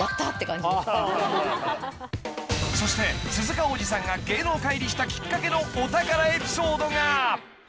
［そして鈴鹿央士さんが芸能界入りしたきっかけのお宝エピソードが］